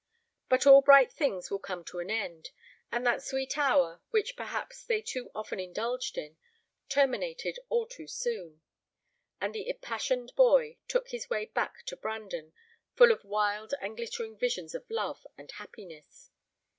But all bright things will come to an end, and that sweet hour, which perhaps they too often indulged in, terminated all too soon; and the impassioned boy took his way back to Brandon full of wild and glittering visions of love and happiness.